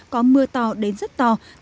có mưa to đến rất to